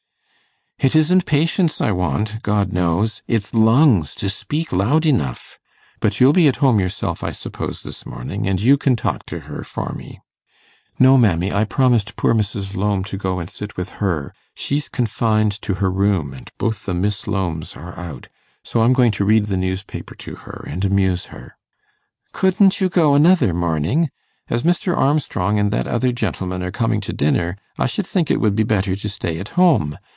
'It isn't patience I want, God knows; it's lungs to speak loud enough. But you'll be at home yourself, I suppose, this morning; and you can talk to her for me.' 'No, mammy; I promised poor Mrs. Lowme to go and sit with her. She's confined to her room, and both the Miss Lowmes are out; so I'm going to read the newspaper to her and amuse her.' 'Couldn't you go another morning? As Mr. Armstrong and that other gentleman are coming to dinner, I should think it would be better to stay at home.